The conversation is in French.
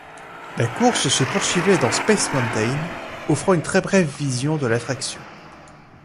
La course se poursuivait dans Space Mountain, offrant une très brève vision de l'attraction.